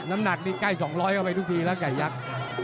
น้ำหนักนี่ใกล้๒๐๐เข้าไปทุกทีแล้วไก่ยักษ์